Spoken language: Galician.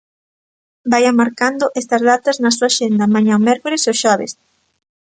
Vaian marcando estas datas na súa axenda: mañá mércores e o xoves.